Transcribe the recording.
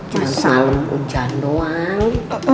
cuma saling hujan doang